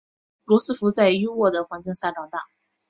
罗斯福在优渥的环境下长大。